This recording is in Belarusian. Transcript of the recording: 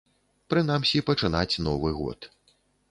Прынамсі, пачынаць новы год.